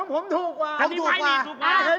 ผมถูกกว่าผมถูกกว่า